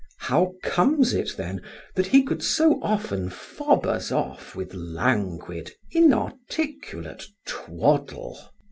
How comes it, then, that he could so often fob us off with languid, inarticulate twaddle?